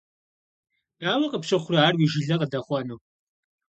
Дауэ къыпщыхъурэ ар уи жылэ къыдэхъуэну.